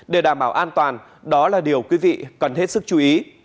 để đảm bảo an toàn đó là điều quý vị cần hết sức chú ý